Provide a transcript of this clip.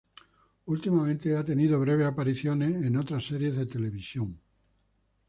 Últimamente ha tenido breves apariciones en otras series de televisión.